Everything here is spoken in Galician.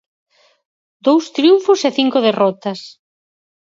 Dous triunfos e cinco derrotas.